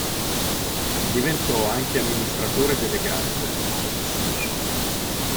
Diventò anche amministratore delegato della “Lloyd” Soc.